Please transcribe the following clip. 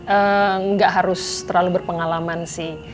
e gak harus terlalu berpengalaman sih